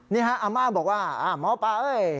นี่ฮะอาม่าบอกว่าหมอปลาเอ้ย